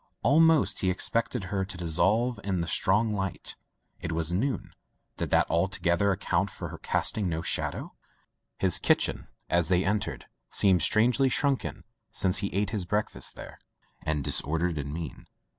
Almost he expected her to dissolve in the strong light. It was noon; did that altogether account for her casting no shadow ? His kitchen as they entered seemed strangely shrunken since he ate his break fast there, and disordered and mean.